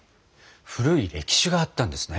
古い歴史があったんですね。